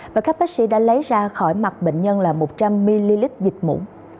và các bác sĩ đã lấy ra khỏi mặt bệnh nhân là một trăm linh ml dịch mũ